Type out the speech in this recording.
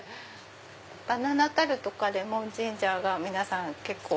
バナナタルトかレモンジンジャーが皆さん。